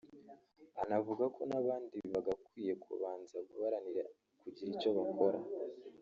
anavuga ko n’abandi bagakwiye kubanza guharanira kugira icyo bakora